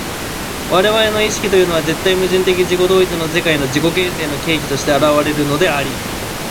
我々の意識というのは絶対矛盾的自己同一の世界の自己形成の契機として現れるのであり、